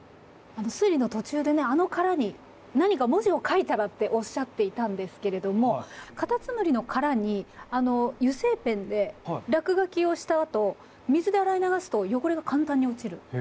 推理の途中でねあの殻に何か文字を書いたらっておっしゃっていたんですけれどもカタツムリの殻に油性ペンで落書きをしたあと水で洗い流すと汚れが簡単に落ちるんだそうです。